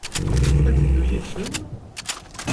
Ad teddu yid-sen?